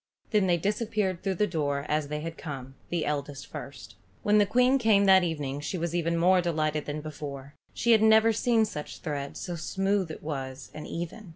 Then they disappeared through the door as they had come, the eldest first. When the Queen came that evening she was even more delighted than before. Never had she seen such thread, so smooth it was and even.